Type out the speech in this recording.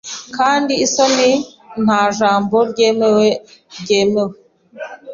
Kandi isoni nta jambo ryemewe ryemewe